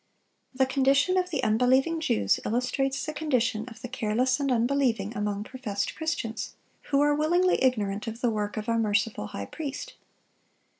The condition of the unbelieving Jews illustrates the condition of the careless and unbelieving among professed Christians, who are willingly ignorant of the work of our merciful High Priest.